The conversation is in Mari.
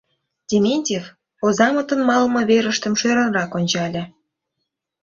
Дементьев озамытын малыме верыштым шӧрынрак ончале.